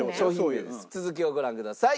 続きをご覧ください。